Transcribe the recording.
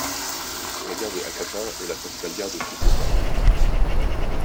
La gare de Hakata est la principale gare de Fukuoka.